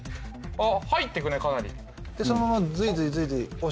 あっ！